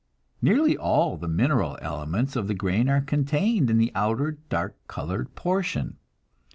Nearly all the mineral elements of the grain are contained in the outer, dark colored portion.